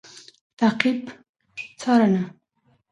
تعقیب √څارنه